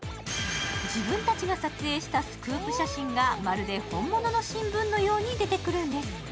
自分たちが撮影したスクープ写真がまるで本物の新聞のように出てくるんです。